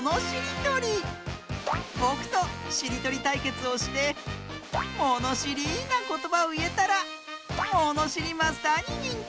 ぼくとしりとりたいけつをしてものしりなことばをいえたらものしりマスターににんてい！